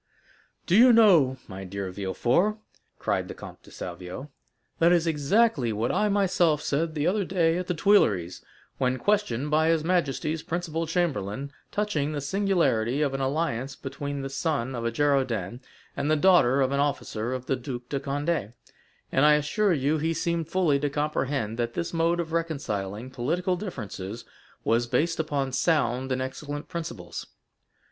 "Do you know, my dear Villefort," cried the Comte de Salvieux, "that is exactly what I myself said the other day at the Tuileries, when questioned by his majesty's principal chamberlain touching the singularity of an alliance between the son of a Girondin and the daughter of an officer of the Duc de Condé; and I assure you he seemed fully to comprehend that this mode of reconciling political differences was based upon sound and excellent principles.